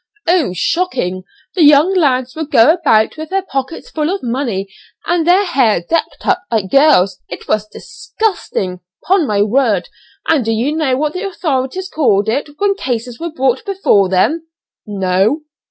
"Oh! shocking. The young lads would go about with their pockets full of money, and their hair decked up like girls. It was disgusting, 'pon my word; and do you know what the authorities called it when cases were brought before them?" "No."